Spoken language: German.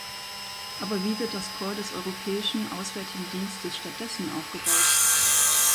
Aber wie wird das Korps des Europäischen Auswärtigen Dienstes stattdessen aufgebaut?